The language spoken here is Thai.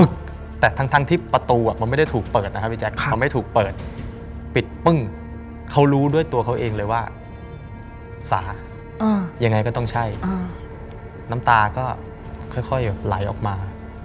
เขาเรียกเลยว่าสายังไงก็ต้องใช่น้ำตาก็ค่อยไหลออกมา